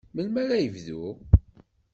Melmi ara yebdu?